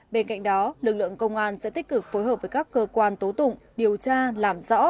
bên cạnh đó lực lượng công an sẽ tích cực phối hợp với các cơ quan tố tụng điều tra làm rõ